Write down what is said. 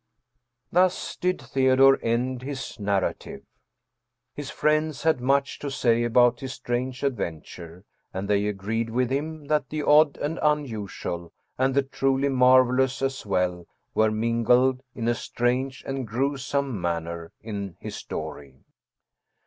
Thus did Theodore end his narrative. His friends had much to say about his strange adventure, and they agreed with him that the odd and unusual, and the truly mar velous as well, were mingled in a strange and grewsome manner in his story.